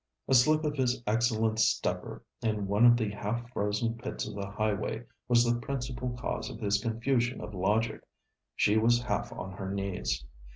A slip of his excellent stepper in one of the half frozen pits of the highway was the principal cause of his confusion of logic; she was half on her knees.